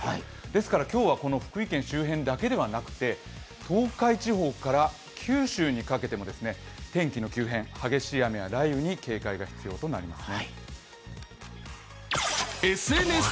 ですから今日はこの福井県周辺だけではなくて東海地方から九州にかけても天気の急変、激しい雨や雷雨に警戒が必要となります。